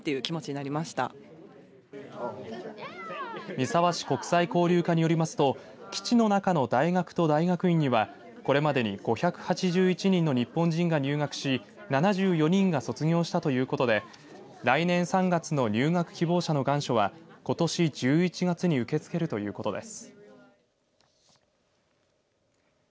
三沢市国際交流課によりますと基地の中の大学と大学院にはこれまでに５８１人の日本人が入学し７４人が卒業したということで来年３月の入学希望者の願書はことし１１月に受け付けるということです。